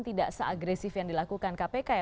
tidak seagresif yang dilakukan kpk ya